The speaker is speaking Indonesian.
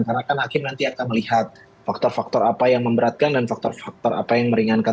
karena kan hakim nanti akan melihat faktor faktor apa yang memberatkan dan faktor faktor apa yang meringankan